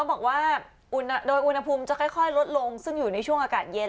บอกว่าโดยอุณหภูมิจะค่อยลดลงซึ่งอยู่ในช่วงอากาศเย็น